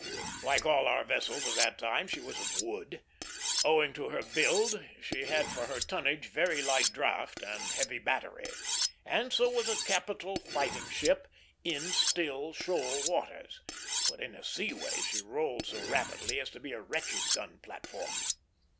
Like all our vessels at that time, she was of wood. Owing to her build, she had for her tonnage very light draught and heavy battery, and so was a capital fighting ship in still, shoal waters; but in a seaway she rolled so rapidly as to be a wretched gun platform.